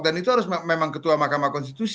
dan itu harus memang ketua mahkamah konstitusi